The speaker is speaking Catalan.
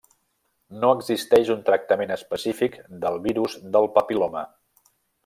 No existeix un tractament específic del virus del papil·loma.